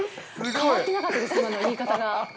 変わってなかったです、今の言い方が。